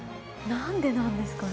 何でなんですかね？